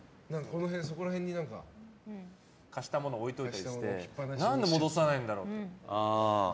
そこらへんに貸したもの置いておいたりして何で戻さないんだろうって。